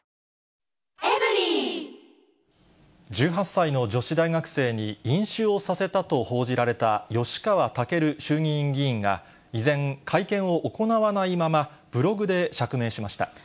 １８歳の女子大学生に飲酒をさせたと報じられた、吉川赳衆議院議員が、依然、会見を行わないまま、ブログで釈明しました。